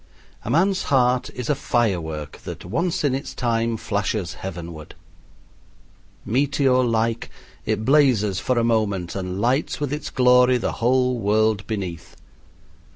A man's heart is a firework that once in its time flashes heavenward. Meteor like, it blazes for a moment and lights with its glory the whole world beneath.